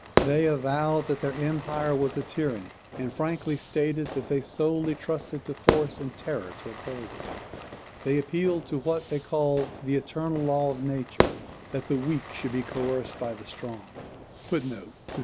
They avowed that their empire was a tyranny, and frankly stated that they solely trusted to force and terror to uphold it. They appealed to what they called "the eternal law of nature, that the weak should be coerced by the strong." [THUC.